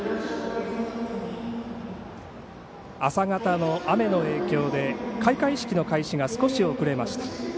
朝方の雨の影響で開会式の開始が少し遅れました。